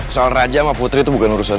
soal raja sama putri itu bukan urusan